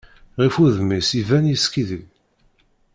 Ɣef wudem-is iban yeskiddib.